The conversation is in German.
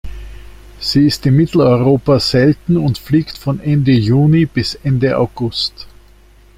Sie ist in Mitteleuropa selten und fliegt von Ende Juni bis Ende August.